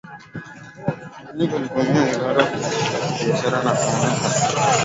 Mara nyingi walitumia mapato ya biashara yao kuwahonga hata maafisa wa mfalme